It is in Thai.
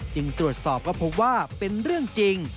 จึงตรวจสอบก็พบว่าเป็นเรื่องจริง